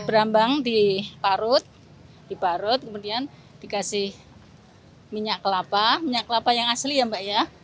berambang diparut diparut kemudian dikasih minyak kelapa minyak kelapa yang asli ya mbak ya